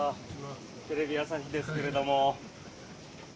テレビ朝日ですけども。